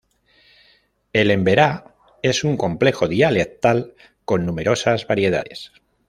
El emberá es un complejo dialectal con numerosas variedades.